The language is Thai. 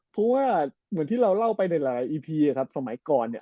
เพราะว่าเหมือนที่เราเล่าไปในหลายอีพีครับสมัยก่อนเนี่ย